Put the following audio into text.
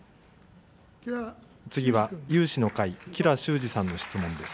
次は有志の会、吉良州司さんの質問です。